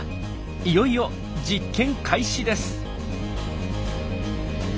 いよいよ実験開始です。